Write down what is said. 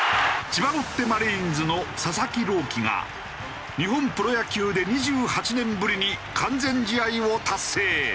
千葉ロッテマリーンズの佐々木朗希が日本プロ野球で２８年ぶりに完全試合を達成。